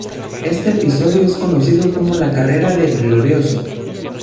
Este episodio es conocido como La carrera del Glorioso.